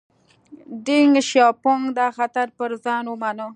دینګ شیاپونګ دا خطر پر ځان ومانه.